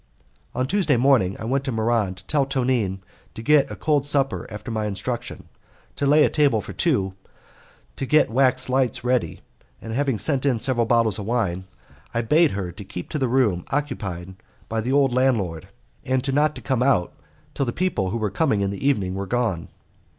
On Tuesday morning I went to Muran to tell Tonine to get a cold supper after my instruction, to lay the table for two, to get wax lights ready, and having sent in several bottles of wine I bade her keep to the room occupied by the old landlord, and not to come out till the people who were coming in the evening were gone.